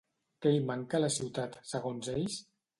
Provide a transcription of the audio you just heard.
Què hi manca a la ciutat, segons ells?